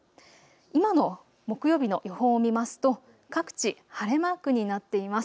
今の木曜日の予報を見ますと各地晴れマークになっています。